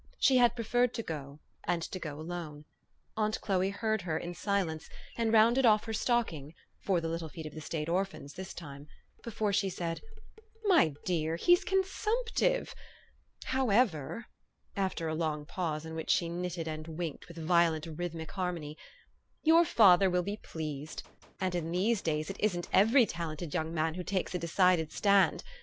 She had pre ferred to go, and to go alone. Aunt Chloe heard her in silence, and rounded off her stocking (for the little feet of the State orphans, this time) , before she said, " My dear, he's consumptive! However," after a long pause, in which she' knitted and winked with violent rhythmic harmony, '' your father will be pleased. And in these days it isn't every talented young man who takes a decided stand.